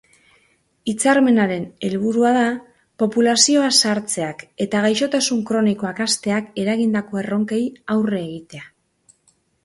Hitzarmenaren helburua da populazioa zahartzeak eta gaixotasun kronikoak hazteak eragindako erronkei aurre egitea.